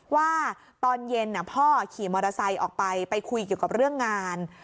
ว่าตอนเย็นพ่อขี่มอเตอร์ไซค์ออกไปไปคุยเกี่ยวกับเรื่องงาน